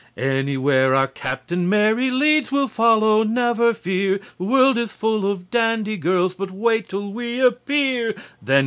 Anywhere (our Captain) leads we'll follow, never fear. The world is full of dandy girls, but wait till we appear Then!